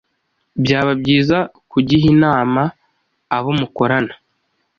Byaba byiza kugiha inama abo mukorana,